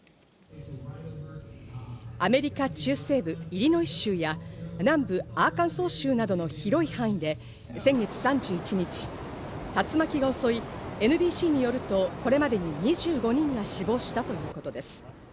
アメリカ中西部イリノイ州や南部アーカンソー州などの広い範囲で先月３１日、竜巻が襲い、ＮＢＣによると、これまでに２５人が死亡したということです。